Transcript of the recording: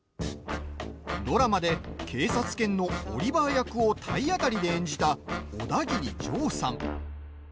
ドラマで警察犬のオリバー役を体当たりで演じたオダギリジョーさん。